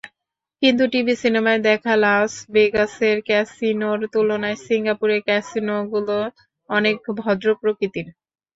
কিন্তু টিভি-সিনেমায় দেখা লাস ভেগাসের ক্যাসিনোর তুলনায় সিঙ্গাপুরের ক্যাসিনোগুলো অনেক ভদ্র প্রকৃতির।